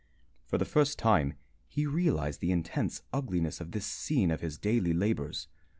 For the first time he realized the intense ugliness of this scene of his daily labors.